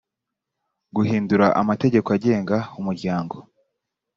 guhindura amategeko agenga umuryango